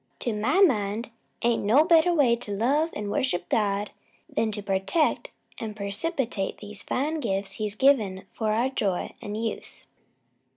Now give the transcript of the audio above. "To my mind, ain't no better way to love an' worship God, 'an to protect an' 'preciate these fine gifts He's given for our joy an' use.